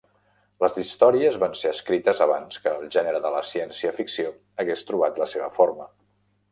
Les històries van ser escrites abans que el gènere de la ciència ficció hagués trobat la seva forma.